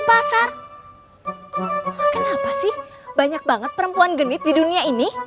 pelan pelan jangan berpura pura